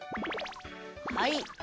はい！